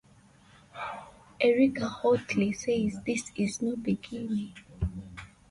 Erica hauntingly says This is no beginning.